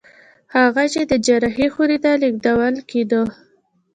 هغه چې د جراحي خونې ته لېږدول کېده